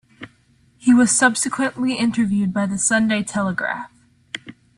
He was subsequently interviewed by the "Sunday Telegraph".